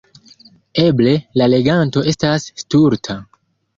Eble, la leganto estas stulta.